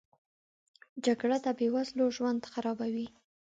جګړه د بې وزلو ژوند خرابوي